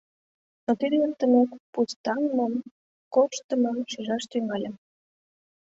Но тиде эртымек, пустаҥмым, корштымым шижаш тӱҥальым.